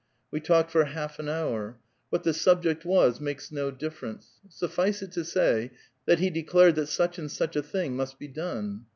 We talked for half an hour. What the subject was, makes no difference ; suffice it to say, that he declared that such and such a thing must be done.